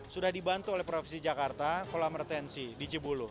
sudah dibantu oleh provinsi jakarta kolam retensi di cibulu